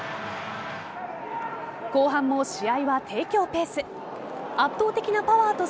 後半も試合は帝京ペース。